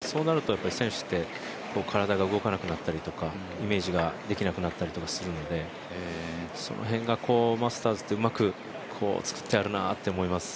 そうなると選手って体が動かなくなったりとかイメージができなくなったりとかするのでその辺がマスターズってうまくつくってあるなと思います。